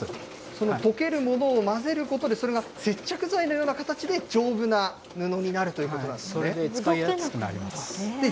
そのとけるものを混ぜることで、それが接着剤のような形で、丈夫な布になるということなんですね。